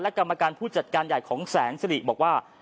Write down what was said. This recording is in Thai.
กรรมการผู้จัดการใหญ่ของแสนสิริบอกว่า